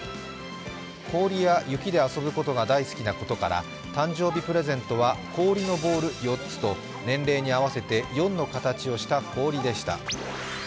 氷や雪で遊ぶことが大好きなことから誕生日プレゼントは氷のボール４つと年齢に合わせて４の形をした氷でした。